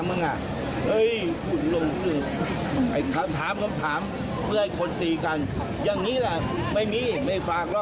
เมืองชาวท่านยิ่งรักไปขึ้นสาร